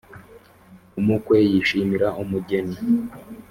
umukwe yishimira umugeni